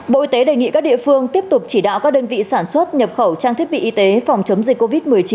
bộ y tế đề nghị các địa phương tiếp tục chỉ đạo các đơn vị sản xuất nhập khẩu trang thiết bị y tế phòng chống dịch covid một mươi chín